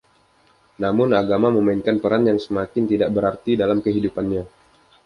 Namun, agama memainkan peran yang semakin tidak berarti dalam kehidupannya.